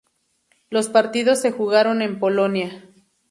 Los partidos se jugaron en Polonia.